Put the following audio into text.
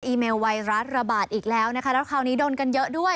เมลไวรัสระบาดอีกแล้วนะคะแล้วคราวนี้โดนกันเยอะด้วย